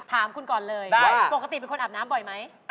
ถามคุณก่อนเลยปกติเป็นคนอาบน้ำบ่อยไหม